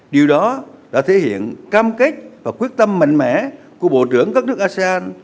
điều đó đã thể hiện cam kết và quyết tâm mạnh mẽ của bộ trưởng các nước asean